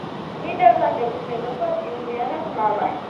ნიდერლანდების დედოფალ იულიანას მამა.